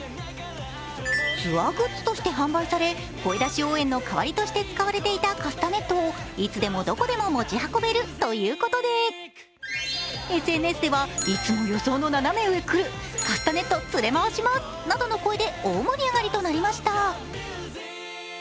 ツアーグッズとして販売され、声出し応援の代わりとして使われていたカスタネットをいつでもどこでも持ち運べるということでＳＮＳでは大盛り上がりとなりました。